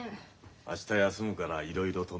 明日休むからいろいろとね。